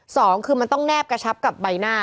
สองคือมันต้องแนบกระชับกับใบหน้า